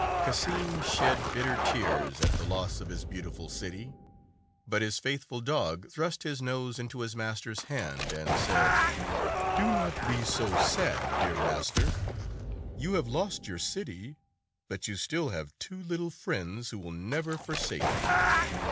Cassim shed bitter tears at the loss of his beautiful city. But his faithful dog thrust his nose into his master's hand and said, "Do not be so sad, dear master. You have lost your city, but you still have two little friends who will never forsake you."